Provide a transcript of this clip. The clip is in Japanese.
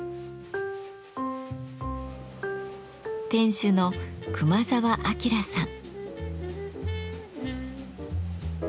店主の熊澤彰さん。